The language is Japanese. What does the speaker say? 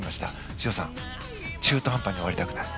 修造さん、中途半端に終わりたくない。